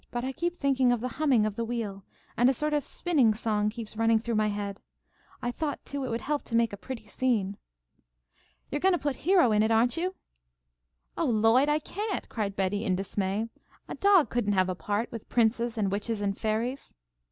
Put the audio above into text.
But I keep thinking of the humming of the wheel, and a sort of spinning song keeps running through my head. I thought, too, it would help to make a pretty scene." "You're goin' to put Hero in it, aren't you?" was the Little Colonel's question. "Oh, Lloyd! I can't," cried Betty, in dismay. "A dog couldn't have a part with princes and witches and fairies."